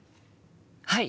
はい！